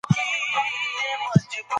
فرد ځان له ټولني لرې احساسوي.